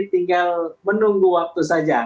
sudah diungkapkan oleh pak jokowi